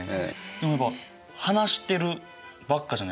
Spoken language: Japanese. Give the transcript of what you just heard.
でもやっぱ話してるばっかじゃないですか。